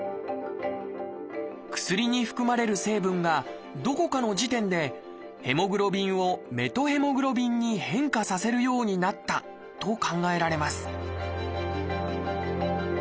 薬に含まれる成分がどこかの時点でヘモグロビンをメトヘモグロビンに変化させるようになったと考えられます